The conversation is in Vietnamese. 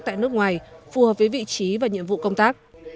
tại nước ngoài phù hợp với vị trí và nhiệm vụ công tác